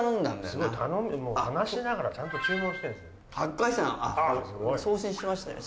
すごい頼んで話しながらちゃんと注文してんですよ